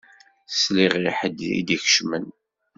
Sliɣ i ḥedd i d-ikecmen.